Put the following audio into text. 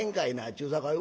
ちゅうさかい